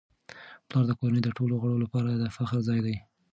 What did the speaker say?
پلار د کورنی د ټولو غړو لپاره د فخر ځای دی.